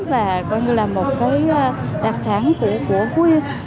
và coi như là một cái đặc sản của phú yên